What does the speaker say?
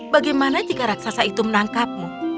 bagaimana jika raksasa itu menangkapmu